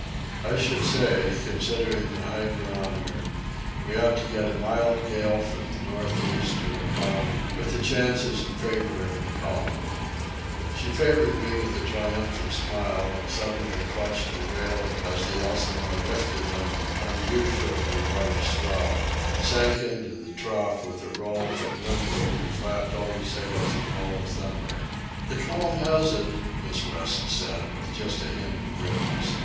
"I should say, considering the high barometer, we ought to get a mild gale from the north east or a calm, with the chances in favour of the calm." She favoured me with a triumphant smile, and suddenly clutched the rail as the Elsinore lifted on an unusually large swell and sank into the trough with a roll from windward that flapped all the sails in hollow thunder. "The calm has it," Miss West said, with just a hint of grimness.